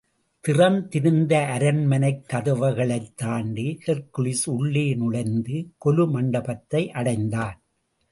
திறந்திருந்த அரண்மனைக் கதவுகளைத் தாண்டி, ஹெர்க்குலிஸ் உள்ளே நுழைந்து, கொலுமண்டபத்தை அடைந்தான்.